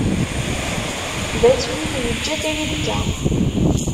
Batwil iǧǧa-d Ribka.